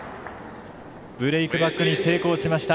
ブレークバックに成功しました。